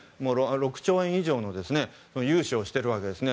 ６兆円以上の融資をしているわけですね。